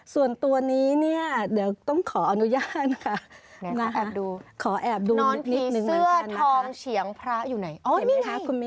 ส่วนตัวนี้เดี๋ยวต้องขออนุญาตนะคะ